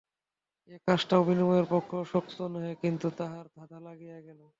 এ কাজটাও বিনয়ের পক্ষে শক্ত নহে, কিন্তু তাহার ধাঁধা লাগিয়া গেল।